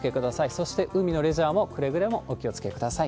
そして、海のレジャーもくれぐれもお気をつけください。